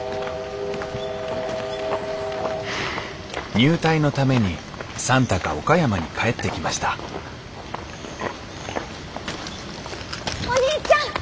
入隊のために算太が岡山に帰ってきましたお兄ちゃん！